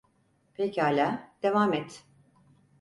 Pekâlâ, devam et.